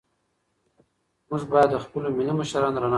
موږ باید د خپلو ملي مشرانو درناوی وکړو.